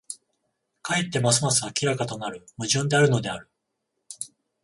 かえってますます明らかとなる矛盾であるのである。